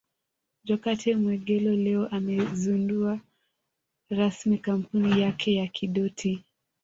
Jokate Mwegelo leo ameizundua rasmi kampuni yake ya Kidoti